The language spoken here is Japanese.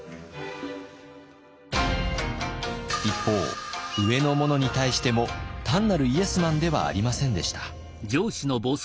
一方上の者に対しても単なるイエスマンではありませんでした。